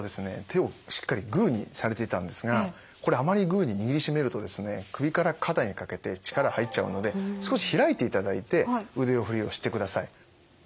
手をしっかりグーにされていたんですがこれあまりグーに握りしめると首から肩にかけて力入っちゃうので少しひらいていただいて腕振りをしてください。